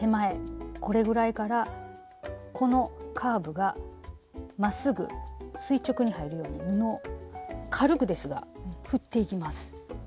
これぐらいからこのカーブがまっすぐ垂直に入るように布を軽くですが振っていきます。